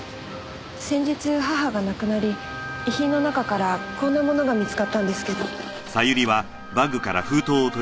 先日母が亡くなり遺品の中からこんな物が見つかったんですけど。